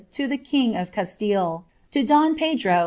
to the king of C^tille, to lina Podro.